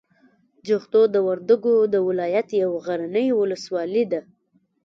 جغتو د وردګو د ولایت یوه غرنۍ ولسوالي ده.